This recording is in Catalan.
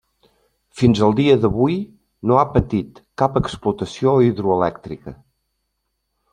Fins al dia d'avui, no ha patit cap explotació hidroelèctrica.